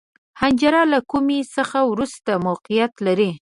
حنجره له کومي څخه وروسته موقعیت لري.